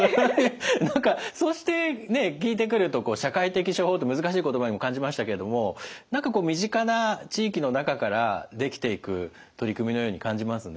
何かそうしてね聞いてくると社会的処方って難しい言葉にも感じましたけれども何かこう身近な地域の中からできていく取り組みのように感じますね。